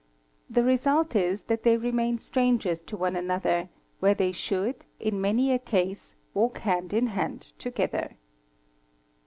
The result is that they remain strangers to one another where they should, in many a case, walk hand in hand together.